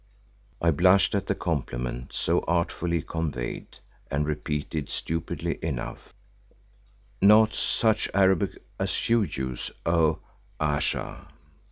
I blushed at the compliment so artfully conveyed, and repeated stupidly enough, "—Not such Arabic as you use, O—Ayesha."